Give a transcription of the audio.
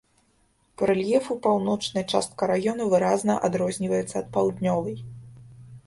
Па рэльефу паўночная частка раёна выразна адрозніваецца ад паўднёвай.